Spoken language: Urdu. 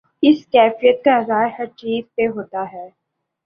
اس کیفیت کا اثر ہر چیز پہ ہوتا ہے۔